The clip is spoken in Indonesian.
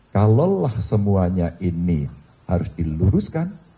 kalau lah semuanya ini harus diluruskan